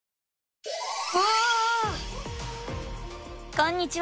こんにちは！